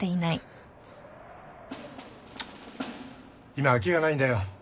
今空きがないんだよ。